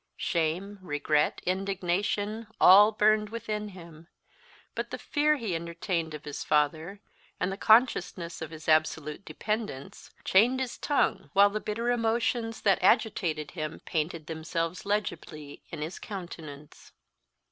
Shame, regret, indignation, all burned within him; but the fear he entertained of his father, and the consciousness of his absolute dependence, chained his tongue, while the bitter emotions that agitated him painted themselves legibly in his countenance.